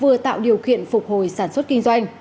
vừa tạo điều kiện phục hồi sản xuất kinh doanh